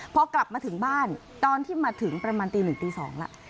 พอกลับมาถึงบ้านตอนที่มาถึงประมาณตี๑ตี๒แล้ว